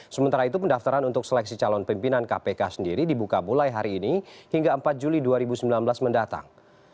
sementara itu pendaftaran untuk seleksi calon pimpinan kpk sendiri dibuka mulai hari ini hingga empat juli dua ribu sembilan belas mendatang